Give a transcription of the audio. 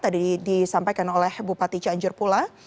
tadi disampaikan oleh bupati cianjur pula